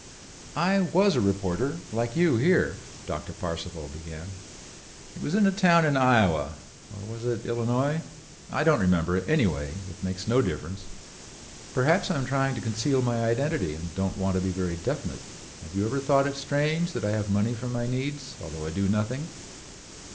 "I was a reporter like you here," Doctor Parcival began. "It was in a town in Iowa—or was it in Illinois? I don't remember and anyway it makes no difference. Perhaps I am trying to conceal my identity and don't want to be very definite. Have you ever thought it strange that I have money for my needs although I do nothing?